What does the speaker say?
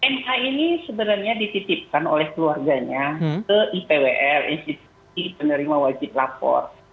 ma ini sebenarnya dititipkan oleh keluarganya ke ipwl institusi penerima wajib lapor